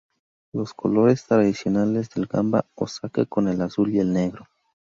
Los colores tradicionales del Gamba Osaka son el azul y el negro.